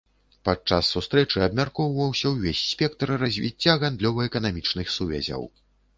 Падчас сустрэчы абмяркоўваўся ўвесь спектр развіцця гандлёва-эканамічных сувязяў.